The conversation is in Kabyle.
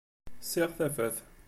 Siɣ tafat.